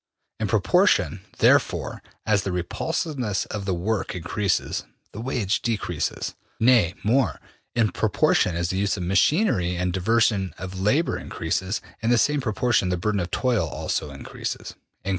In proportion, therefore, as the repulsiveness of the work increases, the wage decreases. Nay more, in proportion as the use of machinery and diversion of labor increases, in the same proportion the burden of toil also increases.''